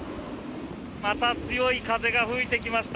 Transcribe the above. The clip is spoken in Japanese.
また強い風が吹いてきました。